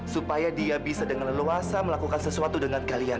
supaya dia bisa dengan leluasa melakukan sesuatu dengan kalian